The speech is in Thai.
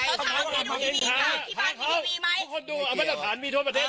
เอ้าพอพูดดีก่อน